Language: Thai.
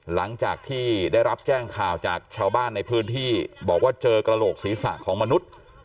หลังจากที่ได้รับแจ้งข่าวจากชาวบ้านในพื้นที่บอกว่าเจอกระโหลกศีรษะของมนุษย์